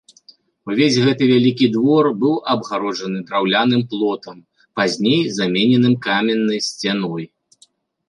Увесь гэты вялікі двор быў абгароджаны драўляным плотам, пазней замененым каменнай сцяной.